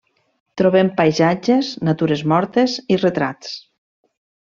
Trobem paisatges, natures mortes i retrats.